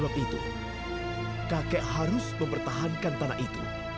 sebab itu kakek harus mempertahankan tanah itu